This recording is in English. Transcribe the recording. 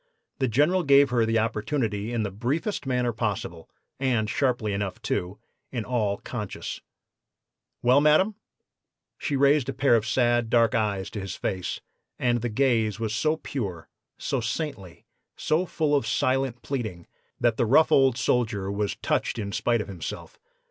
The General gave her the opportunity in the briefest manner possible, and sharply enough, too, in all conscience. "'Well, madam?' "She raised a pair of sad, dark eyes to his face, and the gaze was so pure, so saintly, so full of silent pleading, that the rough old soldier was touched in spite of himself.